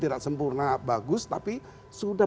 tidak sempurna bagus tapi sudah